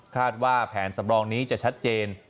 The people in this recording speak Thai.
แผนสำรองนี้จะชัดเจน